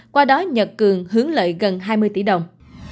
qua đó nhật cường hướng lợi gần hai mươi tỷ đồng